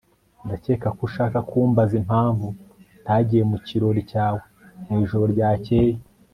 Ndakeka ko ushaka kumbaza impamvu ntagiye mu kirori cyawe mwijoro ryakeye